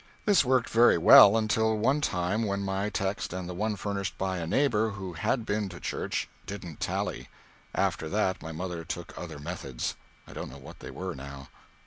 This worked very well until one time when my text and the one furnished by a neighbor, who had been to church, didn't tally. After that my mother took other methods. I don't know what they were now.